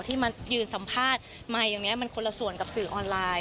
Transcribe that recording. ที่มายืนสัมภาษณ์มาอย่างนี้มันคนละส่วนกับสื่อออนไลน์